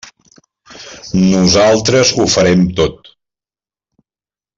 Nosaltres ho farem tot.